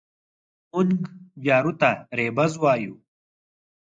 مونږ جارو ته رېبز يايو